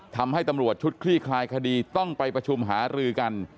ทำให้ตำรวจชุดคลี่คลายคดีต้องไปประชุมหารือกัน